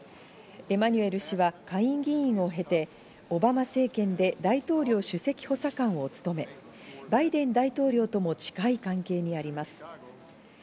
エマニュエル氏は下院議員を経て、オバマ政権で大統領首席補佐官を務め、バイデン大統領とも近い関係にあります。